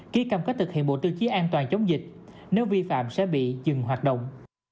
ký cầm cách thực hiện bộ tư chí an toàn chống dịch nếu vi phạm sẽ bị dừng hoạt động